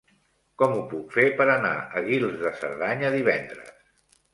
Com ho puc fer per anar a Guils de Cerdanya divendres?